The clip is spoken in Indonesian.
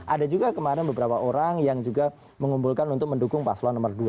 ada juga kemarin beberapa orang yang juga mengumpulkan untuk mendukung paslon nomor dua